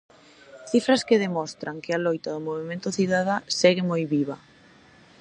Cifras que demostran que a loita do movemento cidadán segue moi viva.